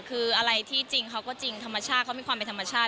คืออะไรที่จริงเขาก็จริงธรรมชาติเขามีความเป็นธรรมชาติ